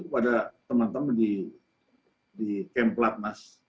kepada teman teman di camp lat mas